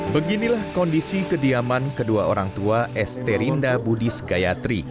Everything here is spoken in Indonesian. beginilah kondisi kediaman kedua orang tua esterinda budis gayatri